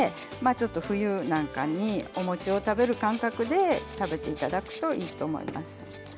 冬なんかに、お餅を食べる感覚で食べていただくといいと思います。